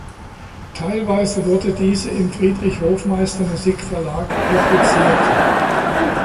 Teilweise wurden diese im Friedrich Hofmeister Musikverlag publiziert.